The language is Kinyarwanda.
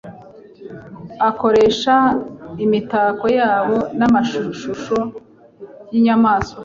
akoresha imitako yabo n’amashusho y’inyamaswa